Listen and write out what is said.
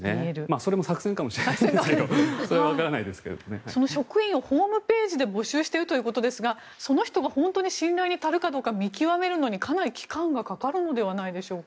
それも作戦かもしれませんけど職員をホームページで募集しているということですがその人が本当に信頼に足るかどうか見極めるのにかなり期間がかかるのではないでしょうか。